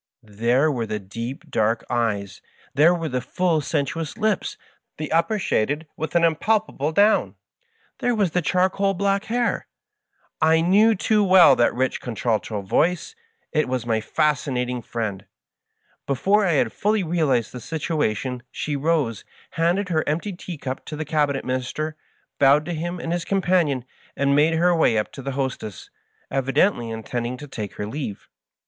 There were the deep, dark eyes, there were the full, sensuous lips, the upper shaded with an impalpable down, there was the charcoal black hair ! I knew too well that rich contralto voice 1 It was my Fascinating Friend 1 Before I had fully realized the situation she rose, handed her empty tea cup to the Cabinet Minister, bowed to him and his companion, and made her way up to the hostess, evidently intending to take her leave.